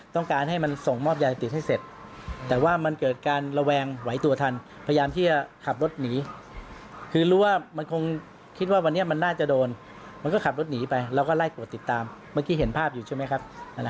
ต้องการให้มันส่งมอบยาติดให้เสร็จแต่ว่ามันเกิดการระแวงไหวตัวทันพยายามที่จะขับรถหนีคือรู้ว่ามันคงคิดว่าวันนี้มันน่าจะโดนมันก็ขับรถหนีไปแล้วก็ไล่ตรวจติดตามเมื่อกี้เห็นภาพอยู่ใช่ไหมครับ